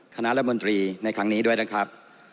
คณะรัฐมนตรีในครั้งนี้ด้วยนะครับ